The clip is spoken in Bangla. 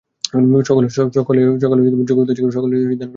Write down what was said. সকলেই যোগী হইতে চায়, সকলেই ধ্যান করিতে অগ্রসর! তাহা হইতেই পারে না।